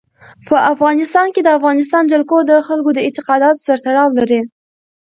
په افغانستان کې د افغانستان جلکو د خلکو د اعتقاداتو سره تړاو لري.